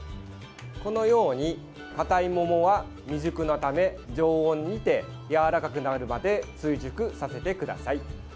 このようにかたい桃は未熟なため常温にて、やわらかくなるまで追熟させてください。